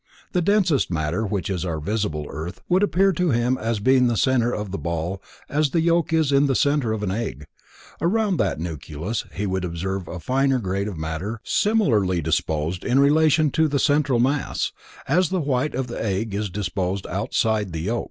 The densest matter, which is our visible earth, would appear to him as being the center of the ball as the yolk is in the center of an egg. Around that nucleus he would observe a finer grade of matter similarly disposed in relation to the central mass, as the white of the egg is disposed outside the yolk.